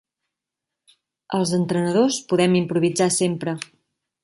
Els entrenadors podem improvisar sempre.